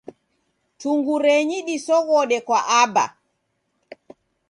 Tungurenyi disoghode kwa Aba.